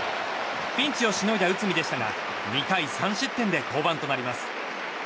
ピンチをしのいだ内海でしたが２回３失点で降板となります。